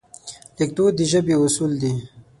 لیکدود د ژبې اصول دي.